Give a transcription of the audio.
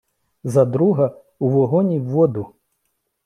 За друга — у вогонь і в воду!